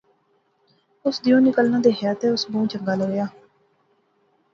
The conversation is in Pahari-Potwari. اُس دیہوں نکلنا دیخیا تے اُس کی بہوں چنگا لغیا